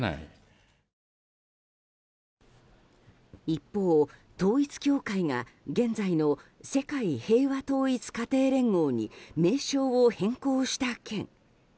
一方、統一教会が現在の世界平和統一家庭連合に名称を変更した件。